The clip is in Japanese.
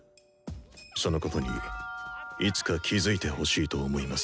そのことにいつか気付いてほしいと思います。